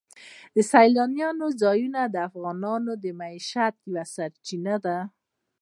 سیلاني ځایونه د افغانانو د معیشت یوه سرچینه ده.